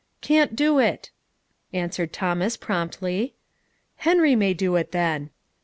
"Can't do it," answered Thomas promptly. "Henry may do it, then."